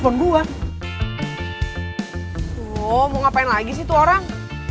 loh mau ngapain lagi sih itu orang